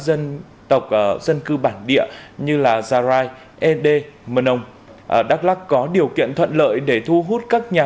dân tộc dân cư bản địa như là dà rai ede mân âu đắk lắc có điều kiện thuận lợi để thu hút các nhà